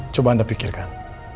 coba anda pikirkan